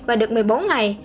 và được một mươi bốn ngày